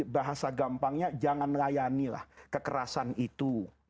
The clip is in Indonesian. bahasa gampangnya jangan layanilah kekerasan itu